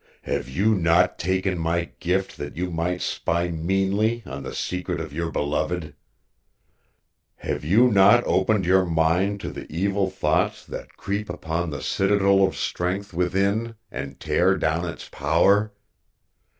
Have you not taken my gift that you might spy meanly on the secret of your beloved? Have you not opened your mind to the evil thoughts that creep upon the citadel of strength within and tear down its power?